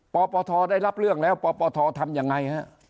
ปปทได้รับเรื่องแล้วปปททำยังไงฮะ